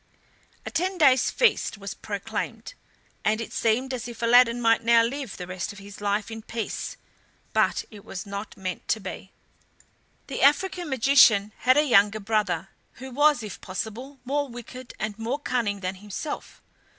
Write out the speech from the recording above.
A ten days' feast was proclaimed, and it seemed as if Aladdin might now live the rest of his life in peace; but it was not meant to be. The African magician had a younger brother, who was, if possible, more wicked and more cunning than himself.